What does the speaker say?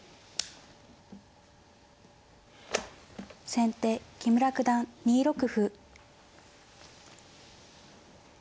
先手木村九段２六歩。